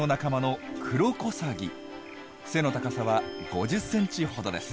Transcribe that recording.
背の高さは５０センチほどです。